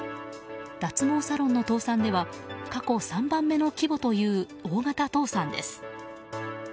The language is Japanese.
脱毛サロンの倒産では過去３番目の規模という大型倒産です。